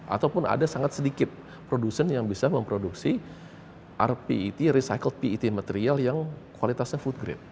ataupun ada sangat sedikit produsen yang bisa memproduksi rpet recycle pet material yang kualitasnya food grade